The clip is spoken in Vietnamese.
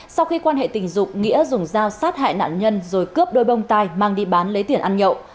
sau khi quan hệ tình dục nghĩa dùng dao sát hại nạn nhân rồi cướp đôi bông tai mang đi bán lấy tiền ăn nhậu